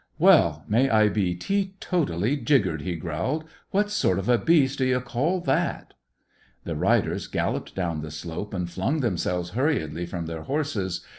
"Well, may I be teetotally jiggered!" he growled. "What sort of a beast do ye call that?" The riders galloped down the slope and flung themselves hurriedly from their horses.